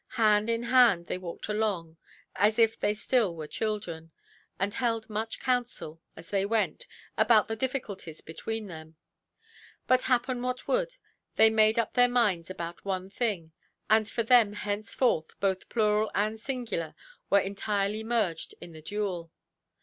Hand in hand they walked along, as if they still were children, and held much counsel, as they went, about the difficulties between them. But happen what would, they made up their minds about one thing; and for them henceforth both plural and singular were entirely merged in the dual.